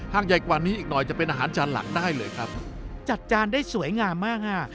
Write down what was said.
หากใหญ่กว่านี้อีกหน่อยจะเป็นอาหารจานหลักได้เลยครับจัดจานได้สวยงามมากฮะ